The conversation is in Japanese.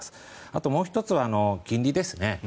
あともう１つは金利ですね。